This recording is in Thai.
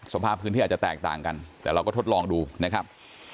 สภาพพื้นที่อาจจะแตกต่างกันแต่เราก็ทดลองดูนะครับ